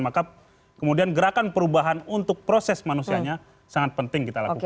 maka kemudian gerakan perubahan untuk proses manusianya sangat penting kita lakukan